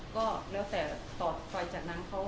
ก็หรือแต่ต่อจากนั้นเขา